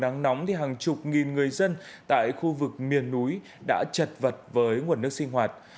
nắng nóng thì hàng chục nghìn người dân tại khu vực miền núi đã chật vật với nguồn nước sinh hoạt